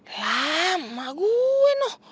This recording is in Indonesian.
lah emak gue noh